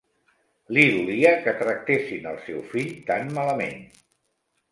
Li dolia que tractessin el seu fill tan malament.